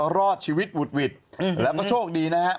รอดชีวิตหวุดหวิดแล้วก็โชคดีนะครับ